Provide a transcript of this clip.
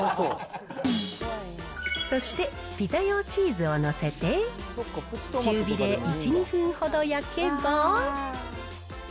そして、ピザ用チーズを載せて、中火で１、２分ほど焼けば。